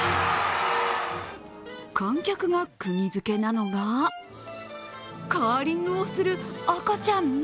観客がクギづけなのが、カーリングをする赤ちゃん？